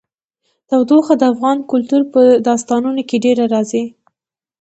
تودوخه د افغان کلتور په داستانونو کې ډېره راځي.